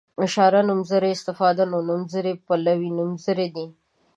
اشاري نومځري استفهامي نومځري پلوي نومځري دي.